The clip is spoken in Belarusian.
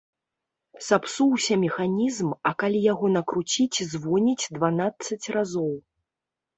Сапсуўся механізм, а калі яго накруціць звоніць дванаццаць разоў.